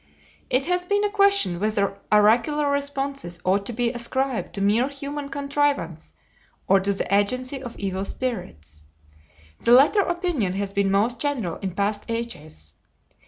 It has been a question whether oracular responses ought to be ascribed to mere human contrivance or to the agency of evil spirits. The latter opinion has been most general in past ages.